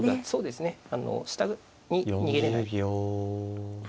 そうですね。